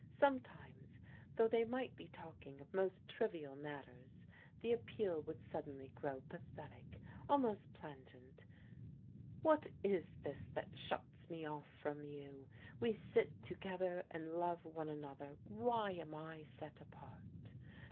Sometimes though they might be talking of most trivial matters the appeal would suddenly grow pathetic, almost plangent, "What is this that shuts me off from you? We sit together and love one another: why am I set apart?"